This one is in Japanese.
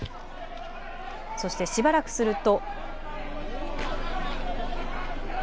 そして、しばらくすると。